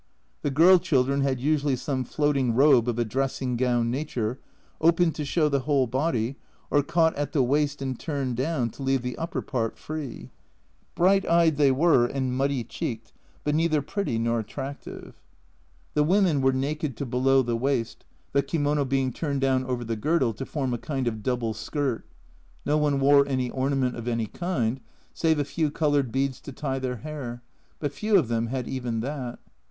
The girl children had usually some floating robe of a dressing gown nature, open to show the whole body, or caught at the waist and turned down to leave the upper part free. Bright eyed they were and muddy cheeked, but neither pretty nor attractive. (c 128) O 194 A Journal from Japan The women were naked to below the waist, the kimono being turned down over the girdle to form a kind of double skirt. No one wore any ornament of any kind, save a few coloured beads to tie their hair, but few of them had even that.